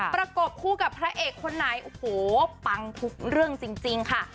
ประกบคู่กับพระเอกคนไหนโอ้โหปังทุกเรื่องจริงค่ะ